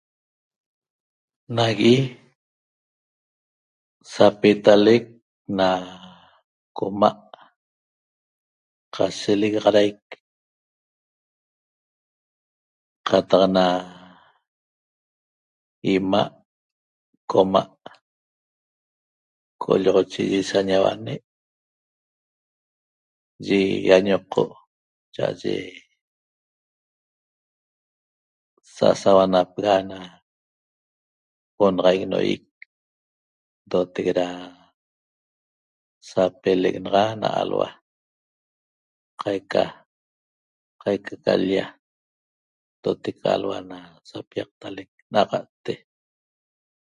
Nagui sapetalec na coma' qashelegaxarai qataq na ima' coma' qoloxocheye saniauane' ye iañoqo' cha'aye sasauanapega' na onaxaic noyec ndotec ra sapelec naxa na alhua qaica, qaica ca lya ndotec alhua na sapiaqtalec naxa'te